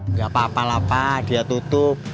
nggak apa apa lah pak dia tutup